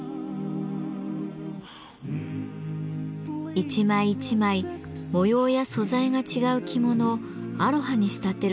１枚１枚模様や素材が違う着物をアロハに仕立てるのは至難の業。